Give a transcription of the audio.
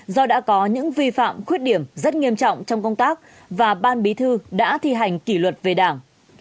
do đã có những vi phạm khuyết điểm rất nghiêm trọng trong công tác và ban bí thư đã thi hành kỷ luật về đảng